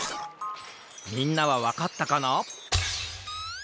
みんなはわかったかな？